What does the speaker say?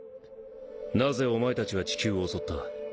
なぜお前たちは地球を襲った？